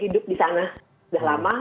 hidup di sana sudah lama